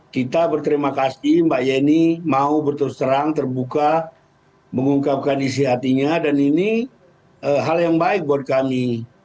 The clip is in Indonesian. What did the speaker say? kita berterima kasih mbak yeni mau berterus terang terbuka mengungkapkan isi hatinya dan ini hal yang baik buat kami